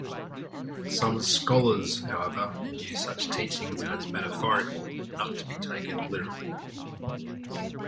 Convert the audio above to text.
Some scholars, however, view such teachings as metaphorical, not to be taken literally.